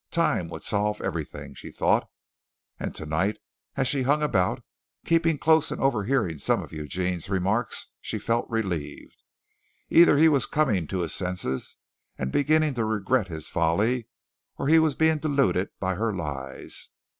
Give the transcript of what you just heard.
Time would solve everything, she thought, and tonight as she hung about, keeping close and overhearing some of Eugene's remarks, she felt relieved. Either he was coming to his senses and beginning to regret his folly or he was being deluded by her lies.